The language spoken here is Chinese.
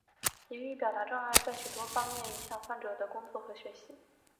言语表达障碍在许多方面影响患者的工作和学习。